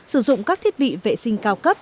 sử dụng các thiết bị vệ sinh cao cấp